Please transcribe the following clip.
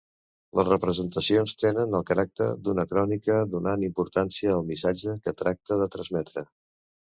Les representacions tenen el caràcter d'una crònica, donant importància al missatge que tracta de transmetre.